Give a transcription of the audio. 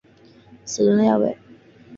死人呀喂！